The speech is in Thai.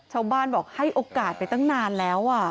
ชาวบ้านบอกให้โอกาสไปตั้งนานแล้ว